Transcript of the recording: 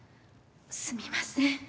すみません。